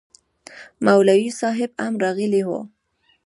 مولوي صاحب هم راغلی و